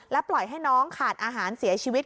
ปล่อยให้น้องขาดอาหารเสียชีวิต